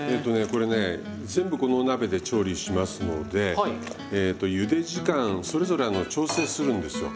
これね全部このお鍋で調理しますのでゆで時間それぞれ調整するんですよ。